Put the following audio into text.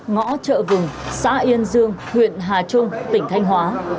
ngõ chợ vừng xã yên dương huyện hà trung tỉnh thanh hóa